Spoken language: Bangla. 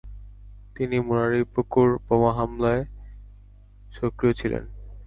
তিনি মুরারিপুকুর বোমা মামলায় সক্রিয় ছিলেন।